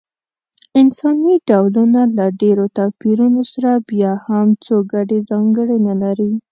انساني ډولونه له ډېرو توپیرونو سره بیا هم څو ګډې ځانګړنې لري.